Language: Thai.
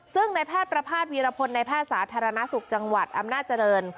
ซึ่งในแพทย์ประภาษณวีรพลในแพทย์สาธารณสุขจังหวัดอำนาจริง